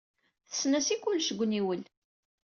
Tessen-as i kullec deg uniwel.